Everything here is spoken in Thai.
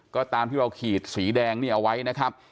ก็ตามที่เราขีดสีแดงนี่เอาไว้นะครับ